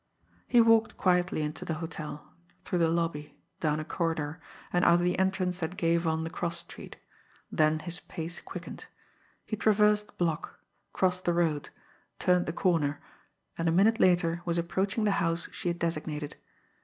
He walked quietly into the hotel, through the lobby, down a corridor, and out of the entrance that gave on the cross street then his pace quickened. He traversed the block, crossed the road, turned the corner, and a minute later was approaching the house she had designated.